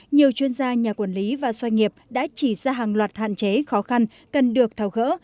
nhiều chuyên gia nhà quản lý và doanh nghiệp đã chỉ ra hàng loạt hạn chế khó khăn cần được thảo gỡ